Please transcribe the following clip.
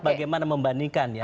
bagaimana membandingkan ya